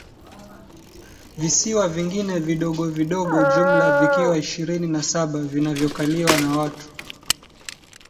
visiwa vingine vidogo vidogo jumla vikiwa ishirini na saba vinavyokaliwa na watu